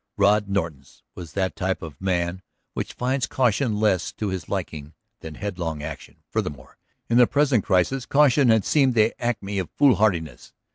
Rod Norton's was that type of man which finds caution less to his liking than headlong action; furthermore, in the present crisis, caution had seemed the acme of foolhardiness.